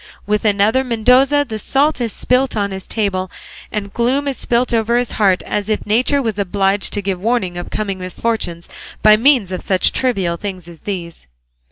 With another Mendoza the salt is spilt on his table, and gloom is spilt over his heart, as if nature was obliged to give warning of coming misfortunes by means of such trivial things as these.